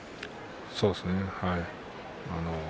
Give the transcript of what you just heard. そうですね。